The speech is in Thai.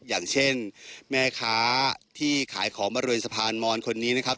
อย่างเช่นแม่ค้าที่ขายของบริเวณสะพานมอนคนนี้นะครับ